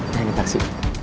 nih naik taksi